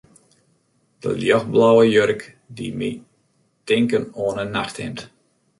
De ljochtblauwe jurk die my tinken oan in nachthimd.